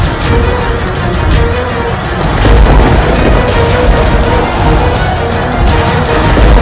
wahai pujam semba